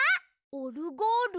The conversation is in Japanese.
オルゴール？